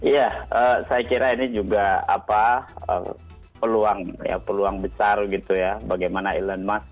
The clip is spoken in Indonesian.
ya saya kira ini juga peluang besar gitu ya bagaimana elon musk